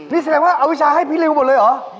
นี่แสดงว่าอวิชาให้พินเรียงมาหมดเลยเหรอ